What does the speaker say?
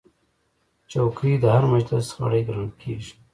چوکۍ د هر مجلس غړی ګڼل کېږي.